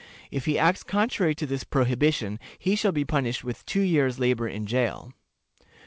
If he acts contrary to this prohibition, he shall be punished with two years' labor in jail.